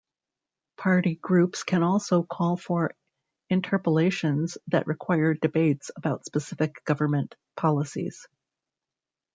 Party groups can also call for interpellations that require debates about specific government policies.